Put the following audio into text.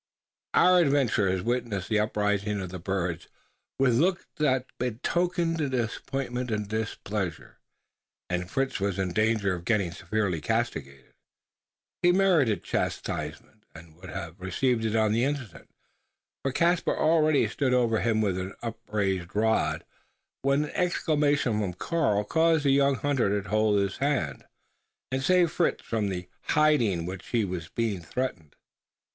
Our adventurers witnessed the uprising of the birds with looks that betokened disappointment and displeasure; and Fritz was in danger of getting severely castigated. He merited chastisement; and would have received it on the instant for Caspar already stood over him with an upraised rod when an exclamation from Karl caused the young hunter to hold his hand, and saved Fritz from the "hiding" with which he was being threatened.